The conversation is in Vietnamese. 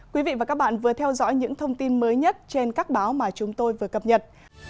quý vị và các bạn vừa theo dõi những thông tin mới nhất trên các báo mà chúng tôi vừa cập nhật